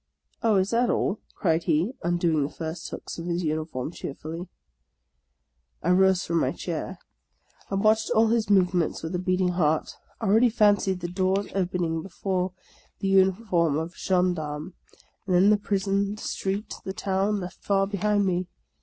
" Oh, is that all ?" cried he, undoing the first hooks of his uniform cheerfully. I rose from my chair ; I watched all his movements with a beating heart. I already fancied the doors opening before the uniform of a gendarme ; and then the prison — the street — the town — left far behind me